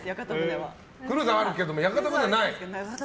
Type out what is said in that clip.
クルーザーはあるけど屋形船はない。